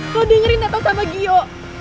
lu dengerin apa sama gio